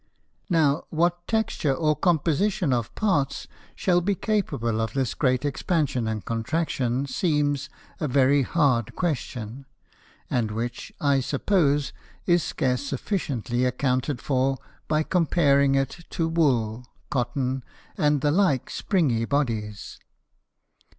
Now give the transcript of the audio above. Now what Texture or Composition of Parts shall be capable of this great Expansion and Contraction, seems a very hard Question; and which, I suppose, is scarce sufficiently accounted for, by comparing it to Wool, Cotten, and the like springy Bodies.